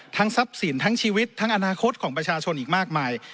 ทรัพย์สินทั้งชีวิตทั้งอนาคตของประชาชนอีกมากมาย